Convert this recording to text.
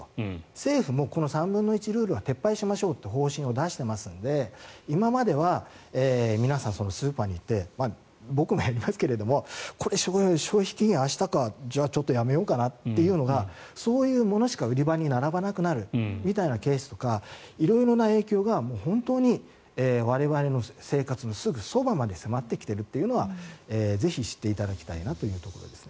政府もこの３分の１ルールは撤廃しましょうという方針を出してますので今までは皆さんスーパーに行って僕もやりますけどこれ、消費期限明日かじゃあちょっとやめようかなというのがそういうものしか売り場に並ばなくなるみたいなケースとか色々な影響が本当に我々の生活のすぐそばまで迫ってきているというのはぜひ知っていただきたいなというところです。